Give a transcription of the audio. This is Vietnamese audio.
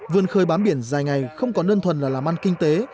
vườn khơi bám biển dài ngày không còn đơn thuần là làm ăn kinh tế